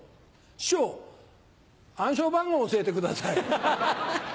師匠暗証番号教えてください。